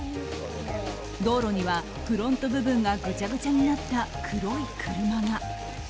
道路にはフロント部分がぐちゃぐちゃとなった黒い車が。